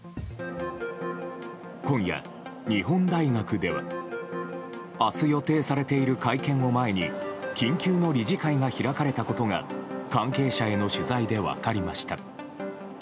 今夜、日本大学では明日予定されている会見を前に緊急の理事会が開かれたことが関係者への取材で分かりました。